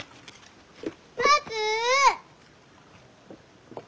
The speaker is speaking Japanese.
待つ！